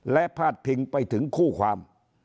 และพาดพิงไปถึงคู่ความ